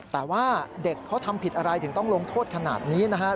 แต่ว่าเด็กเขาทำผิดอะไรถึงต้องลงโทษขนาดนี้นะครับ